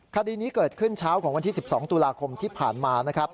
คดีนี้เกิดขึ้นเช้าของวันที่๑๒ตุลาคมที่ผ่านมานะครับ